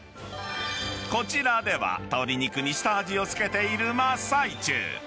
［こちらでは鶏肉に下味を付けている真っ最中］